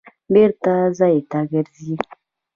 بېرته ځای ته ګرځي.